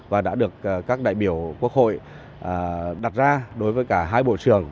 và đã được các đại biểu quốc hội đặt ra đối với cả hai bộ trưởng